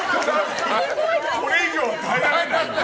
これ以上、耐えられない。